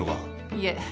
いえ。